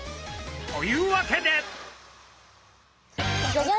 というわけで！